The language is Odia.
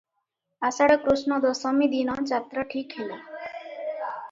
ଆଷାଢ କୃଷ୍ଣ ଦଶମୀ ଦିନ ଯାତ୍ରା ଠିକ ହେଲା ।